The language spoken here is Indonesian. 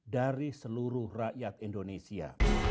dari seluruh rakyat indonesia